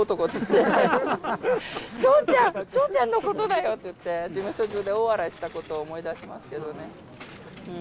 症ちゃん、笑ちゃん、笑ちゃんのことだよって言って、事務所中で大笑いしたことを思い出しますけどね。